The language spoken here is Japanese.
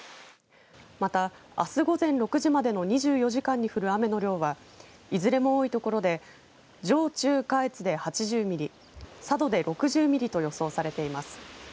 また、あす午前６時までの２４時間に降る雨の量はいずれも多い所で上中下越で８０ミリ佐渡で６０ミリと予想されています。